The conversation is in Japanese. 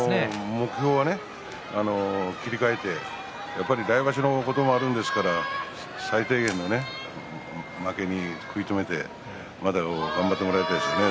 目標は切り替えて来場所のこともあるんですから最低限の負けに食いとどめて頑張ってもらいたいですね。